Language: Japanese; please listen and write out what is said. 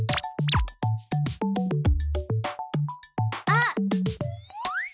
あっ！